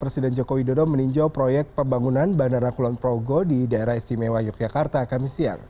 presiden joko widodo meninjau proyek pembangunan bandara kulon progo di daerah istimewa yogyakarta kamis siang